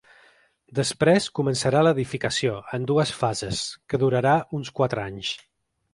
Després començarà l’edificació, en dues fases, que durarà uns quatre anys.